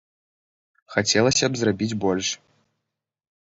Хацелася б зрабіць больш.